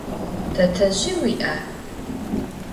Tetezj vui'a?